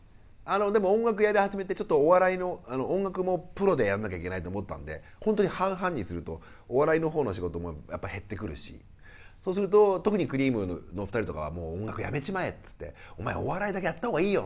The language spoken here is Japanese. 音楽やり始めてちょっと音楽もプロでやんなきゃいけないと思ったんで本当に半々にするとお笑いの方の仕事もやっぱ減ってくるしそうすると特にくりぃむの２人とかは「音楽やめちまえ」っつって「お前お笑いだけやった方がいいよ」って